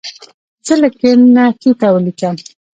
زه له کیڼ نه ښي ته لیکم.